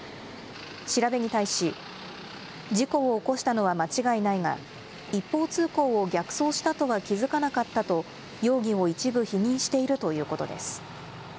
調べに対し、事故を起こしたのは間違いないが、一方通行を逆走したとは気付かなかったと、容疑を一部否認しているということです。